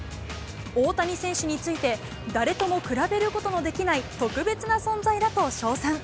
大谷選手について、誰とも比べることのできない特別な存在だと称賛。